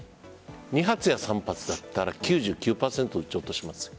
２発や３発だったら９９％、撃ち落としますよ。